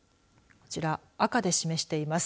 こちら、赤で示しています。